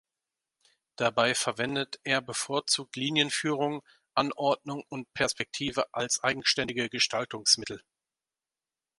Dabei verwendet er bevorzugt Linienführung, Anordnung und Perspektive als eigenständige Gestaltungsmittel.